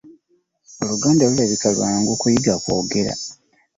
Oluganda lulabika lwangu kuyiga kwogera.